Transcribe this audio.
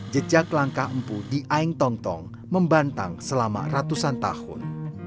jejak langkah empu di aeng tong tong membantang selama ratusan tahun